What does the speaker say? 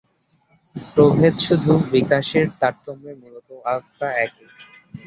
প্রভেদ শুধু বিকাশের তারতম্যে, মূলত আত্মা একই।